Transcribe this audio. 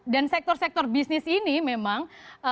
dan sektor sektor bisnis ini memang